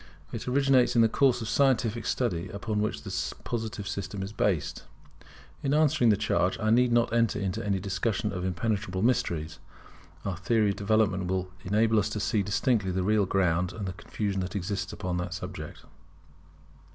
It originates in the course of scientific study upon which the Positive system is based. In answering the charge, I need not enter into any discussion of impenetrable mysteries. Our theory of development will enable us to see distinctly the real ground of the confusion that exists upon the subject.